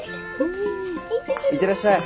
行ってらっしゃい。